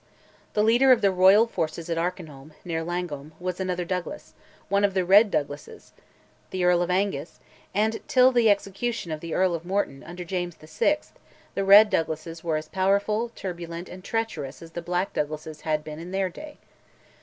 The leader of the Royal forces at Arkinholm, near Langholm, was another Douglas, one of "the Red Douglases," the Earl of Angus; and till the execution of the Earl of Morton, under James VI., the Red Douglases were as powerful, turbulent, and treacherous as the Black Douglases had been in their day.